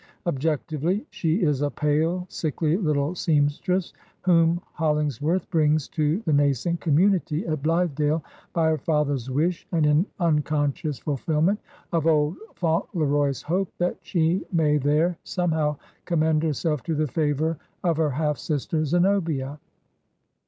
Objectively she is a pale, sickly little seamstress, whom Hollingsworth brings to the nascent community at Blithedale by her father's wish, and in imconscious fulfilment of old Fauntleroy's hope that she may there somehow commend herself to the favor of her half sister Zenobia.